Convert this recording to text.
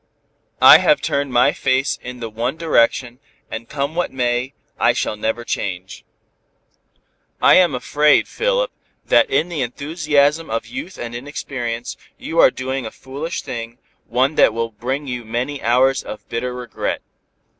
I have turned my face in the one direction, and come what may, I shall never change." "I am afraid, Philip, that in the enthusiasm of youth and inexperience you are doing a foolish thing, one that will bring you many hours of bitter regret.